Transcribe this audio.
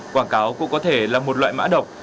quảng cáo cũng có thể là một loại mã độc